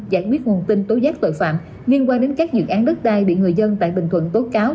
giải quyết nguồn tin tố giác tội phạm liên quan đến các dự án đất đai bị người dân tại bình thuận tố cáo